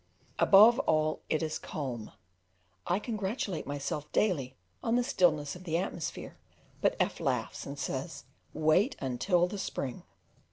Above all, it is calm: I congratulate myself daily on the stillness of the atmosphere, but F laughs and says, "Wait until the spring."